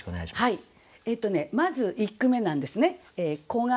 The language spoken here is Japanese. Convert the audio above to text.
はい。